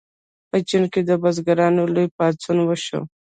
په چین کې د بزګرانو لوی پاڅون وشو.